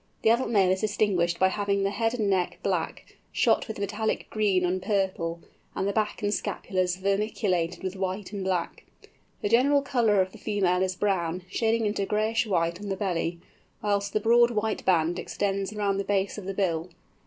The adult male is distinguished by having the head and neck black, shot with metallic green and purple, and the back and scapulars vermiculated with white and black. The general colour of the female is brown, shading into grayish white on the belly, whilst a broad white band extends round the base of the bill.